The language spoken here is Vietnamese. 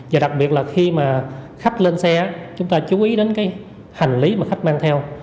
và đặc biệt là khi khách lên xe chúng ta chú ý đến hành lý mà khách mang theo